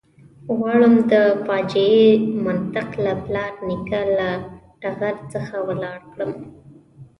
غواړم د فاجعې منطق له پلار نیکه له ټغر څخه ولاړ کړم.